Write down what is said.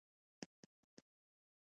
د پامیر له لمنو څخه نیولې.